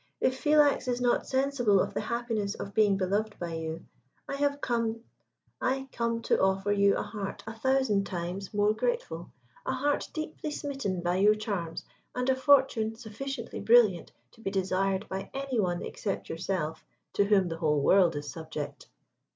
If Philax is not sensible of the happiness of being beloved by you, I come to offer you a heart a thousand times more grateful a heart deeply smitten by your charms, and a fortune sufficiently brilliant to be desired by any one except yourself, to whom the whole world is subject."